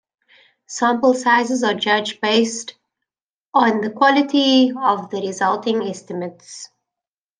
Sample sizes are judged based on the quality of the resulting estimates.